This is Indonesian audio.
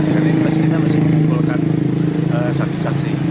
jadi kita mesti mengumpulkan saksi saksi